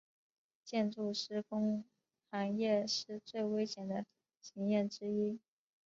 建筑施工行业是最危险的行业之一。